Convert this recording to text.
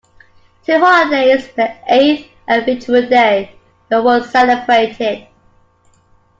Two holidays, the Eighth and Victory Day, were once celebrated.